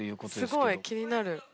すごい気になる。